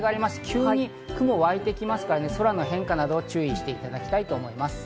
急に雲がわいてきますから空の変化などに注意していただきたいと思います。